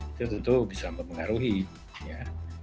itu tentu bisa mempengaruhi ya